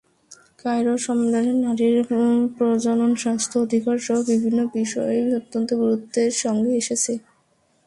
Cairo সম্মেলনে নারীর প্রজননস্বাস্থ্য অধিকারসহ বিভিন্ন বিষয় অত্যন্ত গুরুত্বের সঙ্গে এসেছে।